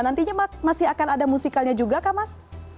nantinya masih akan ada musikalnya juga kah mas